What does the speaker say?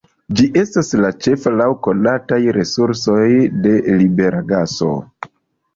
Ĝi estas la ĉefa laŭ konataj resursoj de libera gaso.